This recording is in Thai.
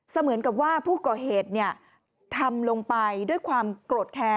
เหมือนกับว่าผู้ก่อเหตุทำลงไปด้วยความโกรธแค้น